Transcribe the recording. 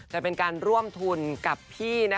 แต่เป็นการร่วมทุนกับพี่